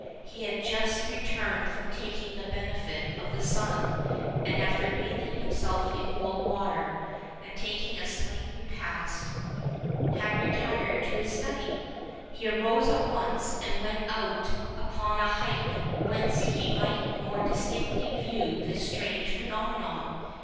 He had just returned from taking the benefit of the sun, and, after bathing himself in cold water, and taking a slight repast, had retired to his study. He arose at once, and went out upon a height whence he might more distinctly view this strange phenomenon.